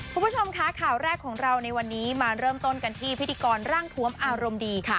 คุณผู้ชมคะข่าวแรกของเราในวันนี้มาเริ่มต้นกันที่พิธีกรร่างทวมอารมณ์ดีค่ะ